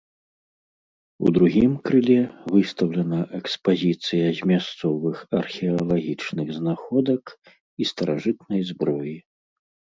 У другім крыле выстаўлена экспазіцыя з мясцовых археалагічных знаходак і старажытнай зброі.